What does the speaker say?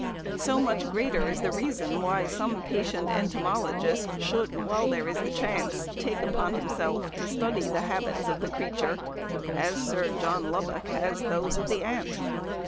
So much greater is the reason why some patient entomologist should, while there is the chance, take upon himself to study the habits of the creature, as Sir John Lubbock has those of the ant.